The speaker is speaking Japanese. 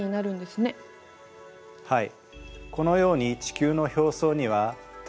はい。